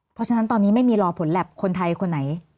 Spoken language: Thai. เพราะฉะนั้นตอนนี้ไม่มีรอผลแลปคนไทยคนไหนอยู่นะคะ